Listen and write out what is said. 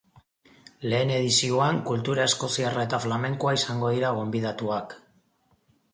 Lehen edizioan, kultura eskoziarra eta flamenkoa izango dira gonbidatuak.